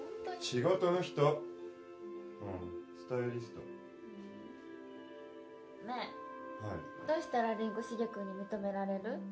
仕事の人うんスタイリストねえどうしたらりんごしげ君に認められる？